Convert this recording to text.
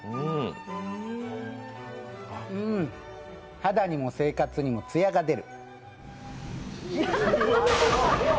肌にも生活にもつやが出る。